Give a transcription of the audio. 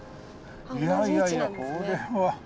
いやいやいやこれは。